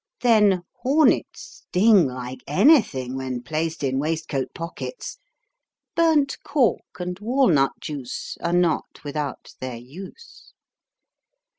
Then hornets sting like anything, when placed in waistcoat pockets â Burnt cork and walnut juice Are not without their use.